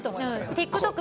ＴｉｋＴｏｋ